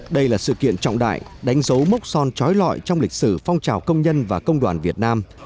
đây là sự kiện trọng đại đánh dấu mốc son trói lọi trong lịch sử phong trào công nhân và công đoàn việt nam